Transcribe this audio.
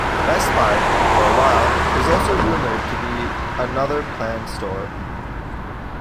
Best Buy, for a while, was also rumored to be another planned store.